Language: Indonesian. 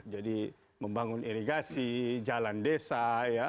jadi membangun irigasi jalan desa ya